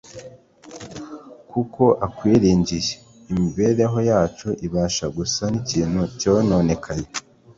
kuko akwiringiye'.°' Imibereho yacu ibasha gusa n'ikintu cyononekaye;